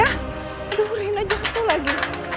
aduh rena jatuh lagi